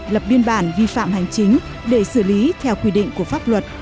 các lực lượng chức năng đã tiến hành vi phạm hành chính để xử lý theo quy định của pháp luật